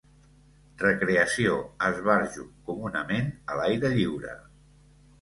Recreació, esbarjo, comunament a l'aire lliure”.